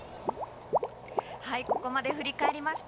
ここまで振り返りました。